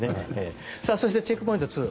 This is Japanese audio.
そして、チェックポイント